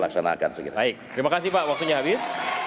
baik terima kasih pak waktunya habis